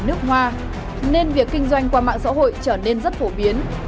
nước hoa nên việc kinh doanh qua mạng xã hội trở nên rất phổ biến